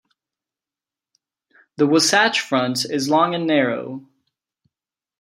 The Wasatch Front is long and narrow.